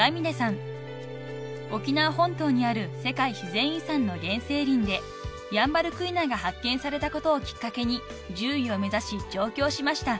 ［沖縄本島にある世界自然遺産の原生林でヤンバルクイナが発見されたことをきっかけに獣医を目指し上京しました］